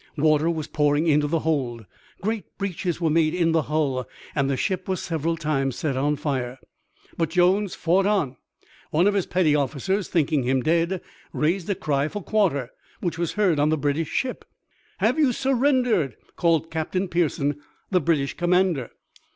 Water was pouring into the hold. Great breaches were made in the hull and the ship was several times set on fire. But Jones fought on. One of his petty officers, thinking him dead, raised a cry for quarter, which was heard on the British ship. "Have you surrendered?" called Captain Pearson, the British commander.